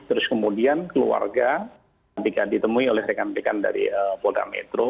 terus kemudian keluarga ketika ditemui oleh rekan rekan dari polda metro